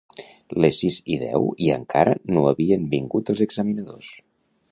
Les sis i deu i encara no havien vingut els examinadors!